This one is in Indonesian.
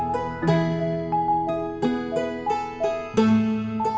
sebel tau gak